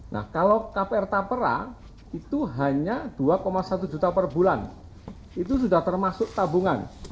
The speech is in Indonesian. nah kalau kpr tapera itu hanya dua satu juta per bulan itu sudah termasuk tabungan